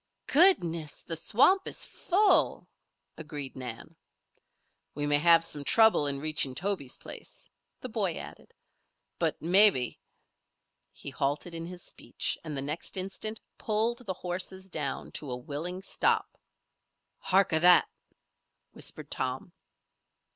"Goodness! The swamp is full," agreed Nan. "We may have some trouble in reaching Toby's place," the boy added. "But maybe " He halted in his speech, and the next instant pulled the horses down to a willing stop. "Hark a that!" whispered Tom.